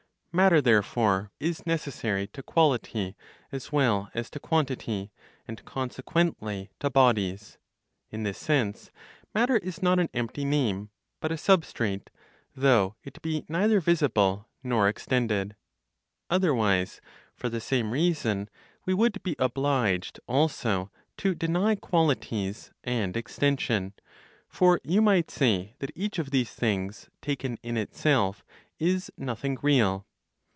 Matter, therefore, is necessary to quality as well as to quantity, and consequently, to bodies. In this sense, matter is not an empty name, but a substrate, though it be neither visible nor extended. Otherwise, for the same reason, we would be obliged also to deny qualities and extension; for you might say that each of these things, taken in itself, is nothing real.